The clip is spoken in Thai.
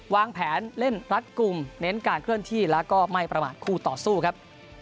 วางแผนเล่นรัดกลุ่มเน้นการเคลื่อนที่แล้วก็ไม่ประมาทคู่ต่อสู้ครับ